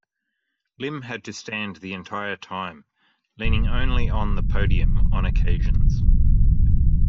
Lim had to stand the entire time, leaning only on the podium on occasions.